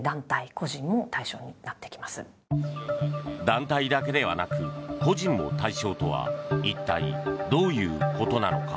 団体だけではなく個人も対象とは一体どういうことなのか。